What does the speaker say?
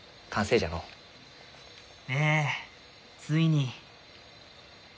ええついに。